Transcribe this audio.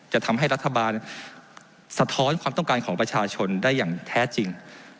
จะทำให้รัฐบาลสะท้อนความต้องการของประชาชนได้อย่างแท้จริง